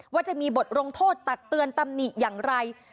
ว่าจะมีบทลงโทษตักเตือนตำหนิอย่างไร